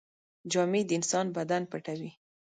جامې د انسان بدن پټوي.